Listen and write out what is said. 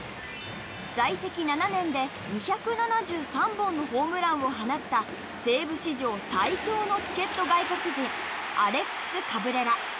在籍７年で２７３本のホームランを放った西武史上最強の助っ人外国人アレックス・カブレラ。